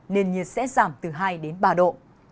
nền nhiệt sẽ giảm từ hai đến ba độ